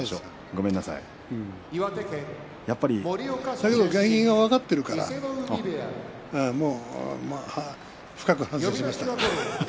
だけど原因が分かっているから深く反省しました。